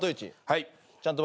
はい。